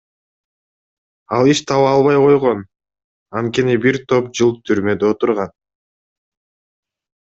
Ал иш таба албай койгон, анткени бир топ жыл түрмөдө отурган.